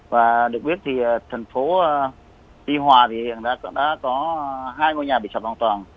và được biết thì thành phố tuy hòa thì hiện đã có hai ngôi nhà bị sập hoàn toàn